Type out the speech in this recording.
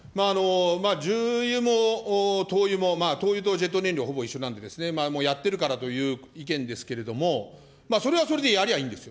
重油も灯油も、灯油とジェット燃料、ほぼ一緒なんで、もうやってるからという意見ですけれども、それはそれでやりゃいいんですよ。